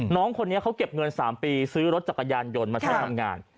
น้องคนนี้เขาเก็บเงิน๓ปีซื้อรถจักรยานยนต์มาใช้ทำงาน